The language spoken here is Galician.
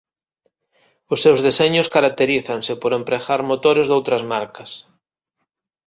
Os seus deseños caracterízanse por empregar motores doutras marcas.